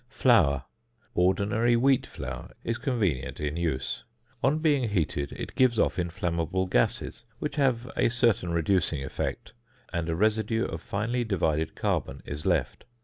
~Flour.~ Ordinary wheat flour is convenient in use. On being heated it gives off inflammable gases which have a certain reducing effect, and a residue of finely divided carbon is left.